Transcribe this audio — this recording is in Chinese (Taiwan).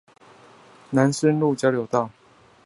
南深路交流道